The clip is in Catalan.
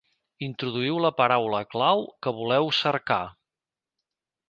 Introduïu la paraula clau que voleu cercar.